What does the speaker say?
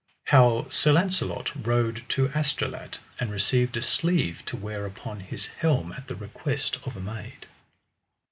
How Sir Launcelot rode to Astolat, and received a sleeve to wear upon his helm at the request of a maid.